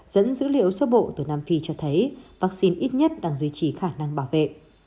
dẫn dữ liệu sơ bộ từ nam phi cho thấy vaccine ít nhất đang duy trì khả năng bảo vệ